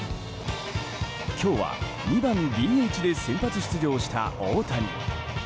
今日は２番ＤＨで先発出場した大谷。